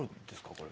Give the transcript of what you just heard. これ。